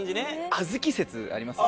あずき説ありますよ。